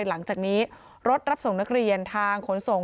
หลังจากนี้รถรับส่งนักเรียนทางขนส่ง